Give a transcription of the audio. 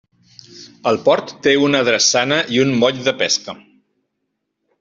El port té una drassana i un moll de pesca.